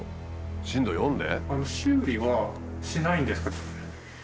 震度４で？